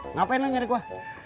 ngapain lu nyari gue